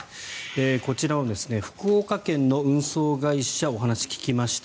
こちらの福岡県の運送会社お話を聞きました。